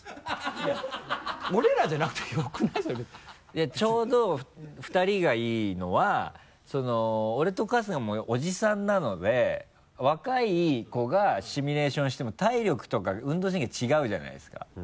いやちょうど２人がいいのは俺と春日もおじさんなので若い子がシミュレーションしても体力とか運動神経違うじゃないですか。